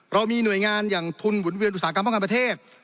เรามีหน่วยงานอย่างทุนหมุนเวียนอุตสาหกรรมป้องกันประเทศ